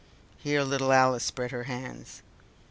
Here little Alice spread her hands.